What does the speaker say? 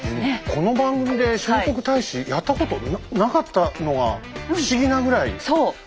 この番組で聖徳太子やったことなかったのが不思議なぐらい。